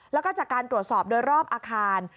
แล้วก็จากการตรวจสอบโดยรอบอาคาร